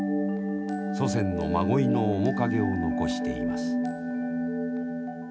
祖先の真鯉の面影を残しています。